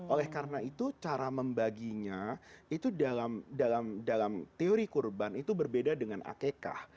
oleh karena itu cara membaginya itu dalam teori kurban itu berbeda dengan akekah